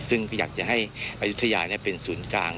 ซึ่งก็อยากจะให้อายุทยาเป็นศูนย์กลาง